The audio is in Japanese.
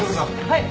はい！